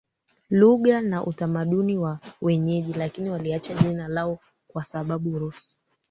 lugha na utamaduni wa wenyeji lakini waliacha jina lao kwa sababu Rus